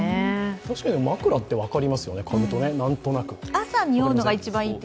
確かに枕って分かりますよね、なんとなく。